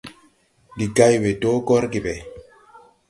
Ndi gay we dɔɔ gɔrge ɓɛ.